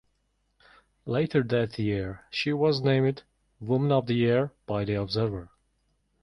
Later that year, she was named Woman of the Year by "The Observer".